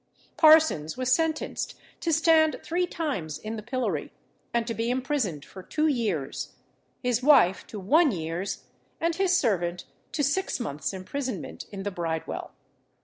Parsons was sentenced to stand three times in the pillory, and to be imprisoned for two years; his wife to one year's, and his servant to six months' imprisonment in the Bridewell.